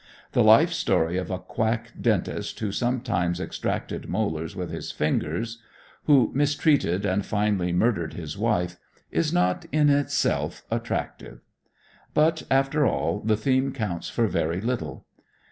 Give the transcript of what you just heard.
The life story of a quack dentist who sometimes extracted molars with his fingers, who mistreated and finally murdered his wife, is not, in itself, attractive. But, after all, the theme counts for very little.